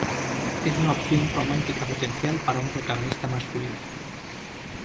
Es una opción romántica potencial para un protagonista masculino.